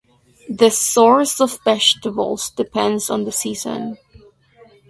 The source of vegetables depends on the season.